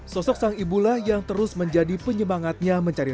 sosok sang ibulah yang terus menjadi penyemangatnya mencari